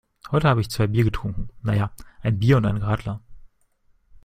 Heute habe ich zwei Bier getrunken. Na ja, ein Bier und ein Radler.